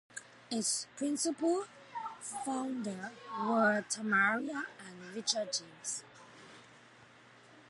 Its principal founders were Tamarra and Richard James.